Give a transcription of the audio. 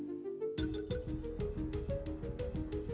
ya tuhan ampuni nusantara